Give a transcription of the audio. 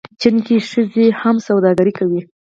چین کې ښځې هم سوداګري کوي.